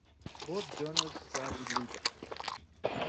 Both journals were illegal.